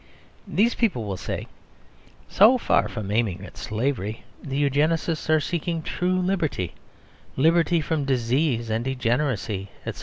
These people will say "So far from aiming at slavery, the Eugenists are seeking true liberty; liberty from disease and degeneracy, etc."